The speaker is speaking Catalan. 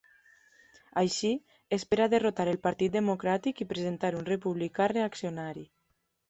Així, espera derrotar el Partit Democràtic i presentar un republicà reaccionari.